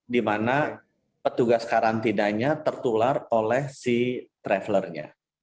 dimana petugas karantinanya tertular oleh si travelernya